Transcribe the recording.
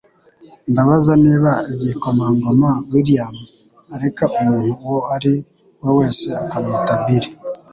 Ndabaza niba igikomangoma William areka umuntu uwo ari we wese akamwita Bill